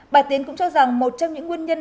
bà tiến cũng cho rằng một trong những nguyên nhân